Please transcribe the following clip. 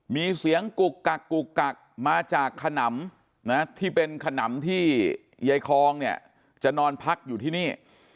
มีเสียงกุกกักกุกกักมาจากขนำนะที่เป็นขนำที่ยายคองเนี่ยจะนอนพักอยู่ที่นี่